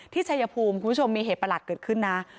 ชายภูมิคุณผู้ชมมีเหตุประหลาดเกิดขึ้นนะ